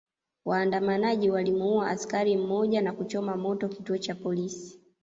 Waandamanaji walimuua askari mmoja na kuchoma moto kituo cha polisi